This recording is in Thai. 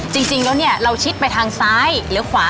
จริงแล้วเนี่ยเราชิดไปทางซ้ายหรือขวา